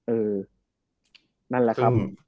เออนั่นแหละครับ